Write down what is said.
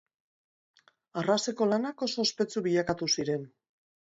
Arraseko lanak oso ospetsu bilakatu ziren.